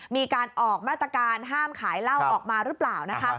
มีการออกมาตรการห้ามขายเหล้าออกมาหรือเปล่านะคะ